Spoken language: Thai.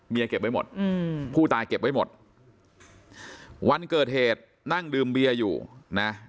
เก็บไว้หมดอืมผู้ตายเก็บไว้หมดวันเกิดเหตุนั่งดื่มเบียร์อยู่นะ